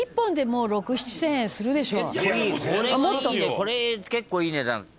「これ結構いい値段」